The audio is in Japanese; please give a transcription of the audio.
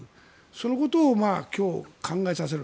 そのことを今日、考えさせる。